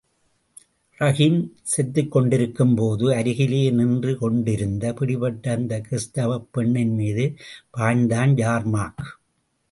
ரஹீம் செத்துக் கொண்டிருக்கும் போது அருகிலேயே நின்று கொண்டிருந்த, பிடிபட்ட அந்தக் கிறிஸ்தவப் பெண்ணின் மீது பாய்ந்தான் யார்மார்க்.